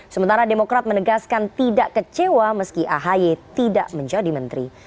sementara demokrat menegaskan tidak kecewa meski ahi tidak menjadi menteri